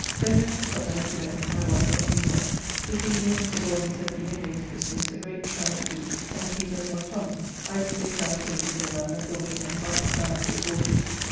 So home to supper and to bed, my wife not being well.... This evening Mr. Gauden sent me, against Christmas, a great chine of beef and three dozen of tongues. I did give 5s. to the man that brought it, and half a crown to the porters.